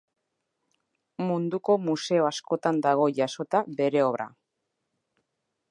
Munduko museo askotan dago jasota bere obra.